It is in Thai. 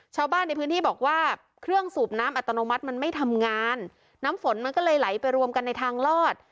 ชาวบ้านในพื้นที่บอกว่าเครื่องสูบน้ำอัตโนมัติมันไม่ทำงานน้ำฝนมันก็เลยไหลไปรวมกันในทางลอด